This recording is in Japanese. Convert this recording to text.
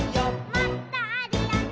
「もっとあるよね」